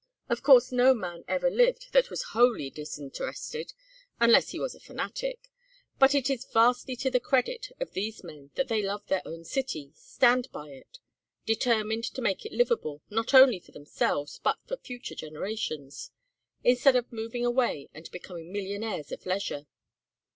Of course no man ever lived that was wholly disinterested, unless he was a fanatic, but it is vastly to the credit of these men that they love their own city, stand by it determined to make it livable, not only for themselves, but for future generations; instead of moving away and becoming millionaires of leisure."